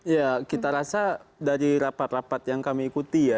ya kita rasa dari rapat rapat yang kami ikuti ya